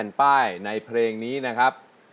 ไม่ใช้ค่ะ